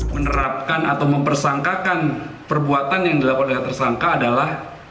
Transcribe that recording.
menerapkan atau mempersangkakan perbuatan yang dilakukan oleh tersangka adalah